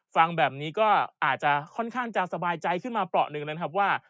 ฟังแบบนี้ก็อาจจะค่อนข้างจะสบายใจขึ้นมาเปราะหนึ่งนะครับว่า